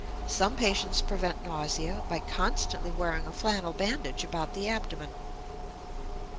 Some patients prevent nausea by constantly wearing a flannel bandage about the abdomen.